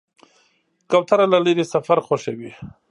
کوتره له لرې سفر خوښوي.